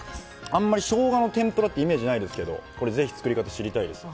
あんまりしょうがの天ぷらってイメージないですけどこれ是非作り方知りたいです。